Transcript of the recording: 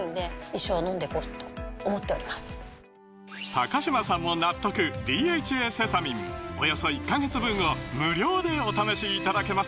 高嶋さんも納得「ＤＨＡセサミン」およそ１カ月分を無料でお試しいただけます